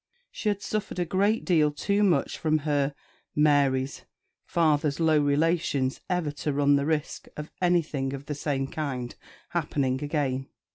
She had suffered a great deal too much from her (Mary's) father's low relations ever to run the risk of anything of the same kind happening again.